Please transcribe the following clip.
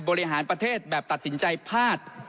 บริหารประเทศแบบตัดสินใจพลาด